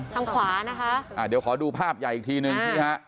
ทางขวานะคะเดี๋ยวขอดูภาพใหญ่อีกทีนึง